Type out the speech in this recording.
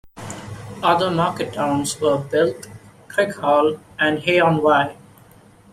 Other market towns were Builth, Crickhowell and Hay-on-Wye.